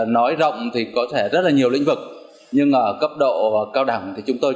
nói rộng thì có thể rất là nhiều lĩnh vực nhưng ở cấp độ cao đẳng thì chúng tôi